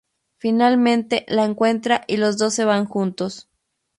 Finalmente la encuentra y los dos se van juntos.